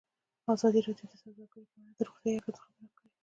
ازادي راډیو د سوداګري په اړه د روغتیایي اغېزو خبره کړې.